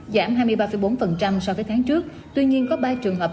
giảm hai mươi ba bốn so với tháng trước tuy nhiên có ba trường hợp